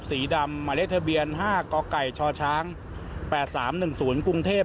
สีดำมาเลขทะเบียนห้ากไก่ชช้างแปดสามหนึ่งศูนย์กรุงเทพ